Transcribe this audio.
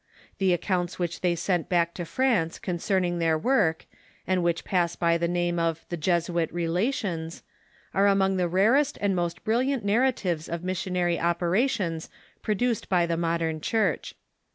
The accounts which they sent back to France concerning their work, and which pass by the name of the " Jesuit Relations," are among the rarest and most brilliant narratives of missionary operations produced by the modern Church.